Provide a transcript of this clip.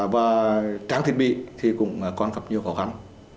và trang thiết bị thì cũng còn gặp nhiều khó khăn